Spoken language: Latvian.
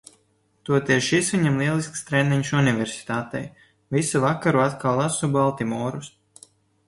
Toties šis viņam lielisks treniņš universitātei. Visu vakaru atkal lasu "Baltimorus".